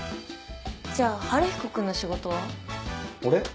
じゃあ晴彦君の仕事は？